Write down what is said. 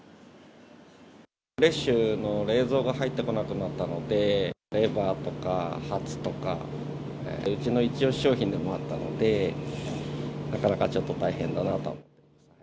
フレッシュな冷蔵が入ってこなくなったので、レバーとか、ハツとか、うちの一押し商品でもあったので、なかなかちょっと大変かなと。